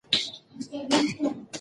ملا غواړي چې د رڼا په لور قدم واخلي.